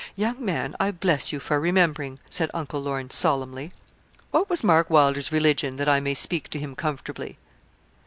'Young man, I bless you for remembering,' said Uncle Lorne, solemnly. 'What was Mark Wylder's religion, that I may speak to him comfortably?'